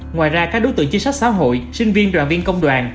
ngoài ra các đối tượng chính sách xã hội sinh viên đoàn viên công đoàn